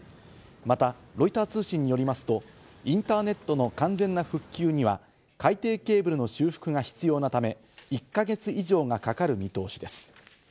またロイター通信によりますと、インターネットの完全な復旧には海底ケーブルの修復が必要なため、１か月以上がかかる見通しです。